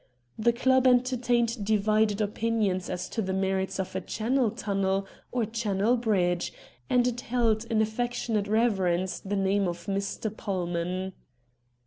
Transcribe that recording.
The club entertained divided opinions as to the merits of a Channel Tunnel or a THE VOYAGERS 5 Channel Bridge, and it held in affectionate reverence the name of Mr. Pullman.